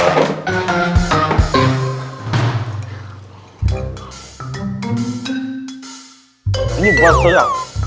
ini buat saya